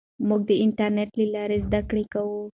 موږ د انټرنېټ له لارې زده کړه کوو.